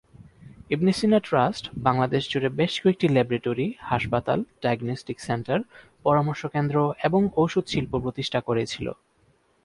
ইবনে Sina trust Bangladesh জুড়ে বেশ কয়েকটি ল্যাবরেটরি, হাসপাতাল, ডায়াগনস্টিক সেন্টার, পরামর্শ কেন্দ্র এবং ওষুধ শিল্প প্রতিষ্ঠা করেছিল।